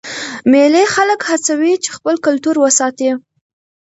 مېلې خلک هڅوي چې خپل کلتور وساتي.